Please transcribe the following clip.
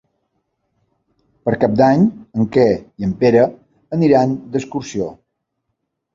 Per Cap d'Any en Quer i en Pere aniran d'excursió.